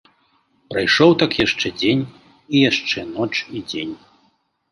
Прайшоў так яшчэ дзень і яшчэ ноч і дзень.